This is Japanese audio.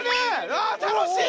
あぁ楽しい。